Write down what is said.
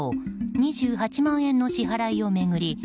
２８万円の支払いを巡り